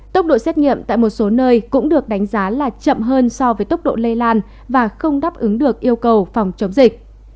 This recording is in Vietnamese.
tốc độ xét nghiệm tại một số nơi cũng được đánh giá là chậm hơn so với tốc độ lây lan và không đáp ứng được yêu cầu phòng chống dịch